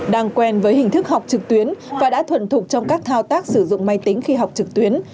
đang quen với hình thức học trực tuyến và đã thuần thục trong các thao tác sử dụng máy tính khi học trực tuyến